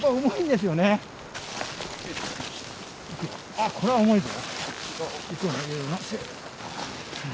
あっこれは重いぞ。